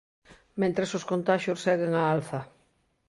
Mentres os contaxios seguen á alza.